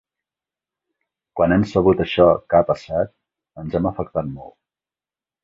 Quan hem sabut això que ha passat ens hem afectat molt.